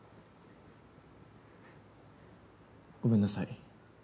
ごめんなさい。